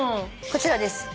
こちらです。